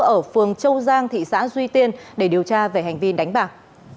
ở phường châu giang thị xã duy tiên để điều tra về hành vi đánh bạc